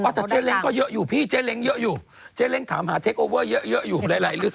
แต่เจ๊เล้งก็เยอะอยู่พี่เจ๊เล้งเยอะอยู่เจ๊เล้งถามหาเทคโอเวอร์เยอะอยู่หลายเรื่อง